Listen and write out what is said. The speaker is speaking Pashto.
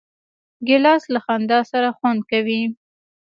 ګیلاس له خندا سره خوند کوي.